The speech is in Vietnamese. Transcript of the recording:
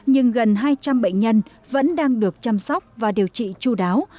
nhưng gần hai trăm linh bệnh nhân vẫn đang được chăm sóc và điều trị chú đáo